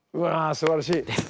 すばらしい！